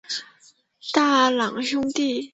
太郎兄弟。